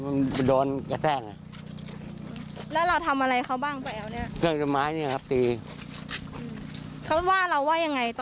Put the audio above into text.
เราต้องรับตัวให้เสียชีวิต